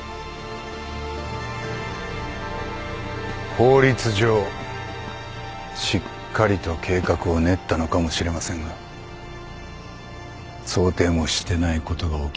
法律上しっかりと計画を練ったのかもしれませんが想定もしてないことが起きる。